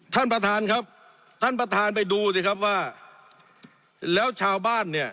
ท่านประธานครับ